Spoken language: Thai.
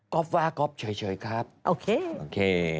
ก๊อบว่าก๊อบช่อยครับโอเคโอเค